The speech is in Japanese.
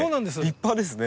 立派ですね。